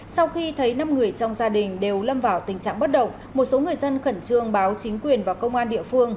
sau khi thấy năm người trong gia đình đều lâm vào tình trạng bất động một số người dân khẩn trương báo chính quyền và công an địa phương